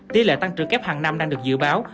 tỷ lệ tăng trưởng kép hàng năm đang được dự báo